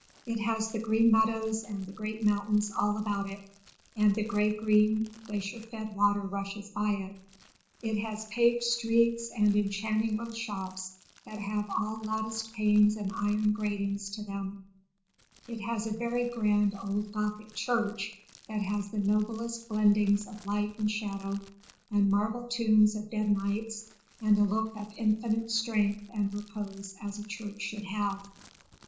It has the green meadows and the great mountains all about it, and the gray green glacier fed water rushes by it. It has paved streets and enchanting little shops that have all latticed panes and iron gratings to them; it has a very grand old Gothic church, that has the noblest blendings of light and shadow, and marble tombs of dead knights, and a look of infinite strength and repose as a church should have.